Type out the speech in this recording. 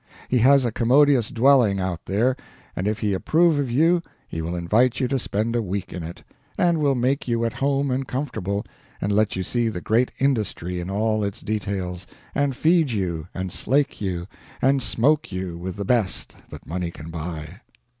He has a commodious dwelling out there, and if he approve of you he will invite you to spend a week in it, and will make you at home and comfortable, and let you see the great industry in all its details, and feed you and slake you and smoke you with the best that money can buy.